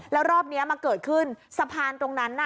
แล้วรอบนี้มาเกิดขึ้นทรรภารตรงนั้น